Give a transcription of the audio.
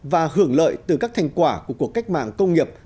và hưởng lợi từ các thành quả của cuộc cách mạng công nghiệp